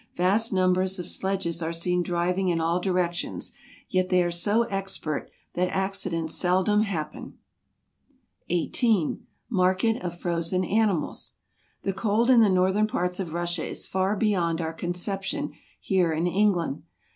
vast numbers of sledges are seen driving in all directions; yet they are so expert, that accidents seldom hap* pen. 18. Market of f rozen Animals . The cold in the northern parts of Russia is far beyond our conception here in England.